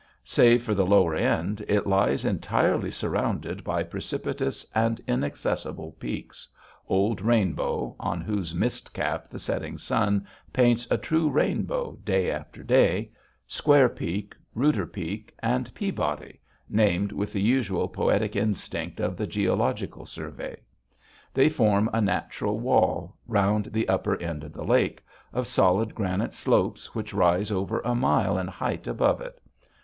Save for the lower end, it lies entirely surrounded by precipitous and inaccessible peaks old Rainbow, on whose mist cap the setting sun paints a true rainbow day after day, Square Peak, Reuter Peak, and Peabody, named with the usual poetic instinct of the Geological Survey. They form a natural wall, round the upper end of the lake, of solid granite slopes which rise over a mile in height above it.